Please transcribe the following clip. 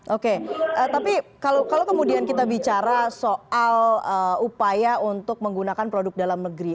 oke tapi kalau kemudian kita bicara soal upaya untuk menggunakan produk dalam negeri